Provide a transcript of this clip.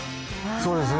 そうですね。